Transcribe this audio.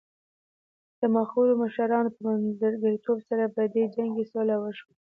د مخورو مشرانو په منځګړیتوب سره په دې جنګ کې سوله وشوه.